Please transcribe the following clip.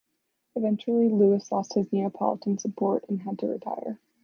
Eventually Louis lost his Neapolitan support and had to retire.